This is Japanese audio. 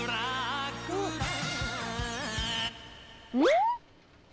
ん？